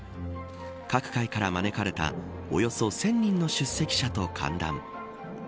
各界から招かれたおよそ１０００人の出席者と歓談。